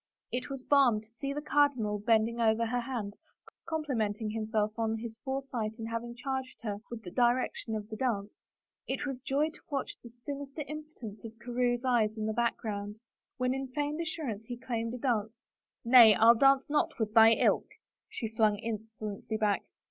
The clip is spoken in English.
It was balm to see the cardinal bending over her hand, complimenting himself on his foresight in having charged her with the direction of the dance, it was joy to watch the sinister impotence of Carewe's eyes in the background. When in feigned assurance he claimed a dance; " Nay, I dance not with thy ilk," she flung insolently back.